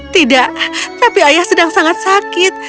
tidak tapi ayah sedang sangat sakit